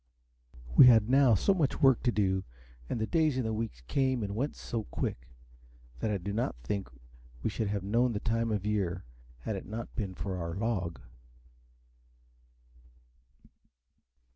WE had now so much work to do, and the days and weeks came and went so quick, that I do not think we should have known the time of year had it not been for our log.